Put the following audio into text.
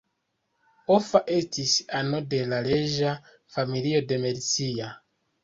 Offa estis ano de la reĝa familio de Mercia.